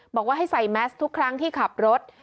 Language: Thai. บอกว่าให้ใส่แมสทุกครั้งที่ขับรถ